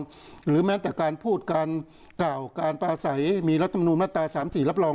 ในการรับรองหรือแม้แต่การพูดการเก่าการประใสมีลัตตุบริมิตรที่สามสี่รับรอง